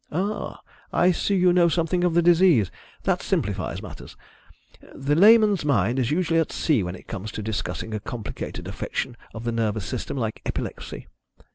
"Ah, I see you know something of the disease. That simplifies matters. The layman's mind is usually at sea when it comes to discussing a complicated affection of the nervous system like epilepsy.